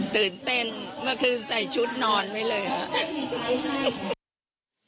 ตื่นเต้นเมื่อคืนใส่ชุดนอนไว้เลยครับ